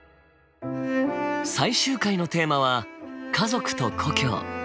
最終回のテーマは「家族と故郷」。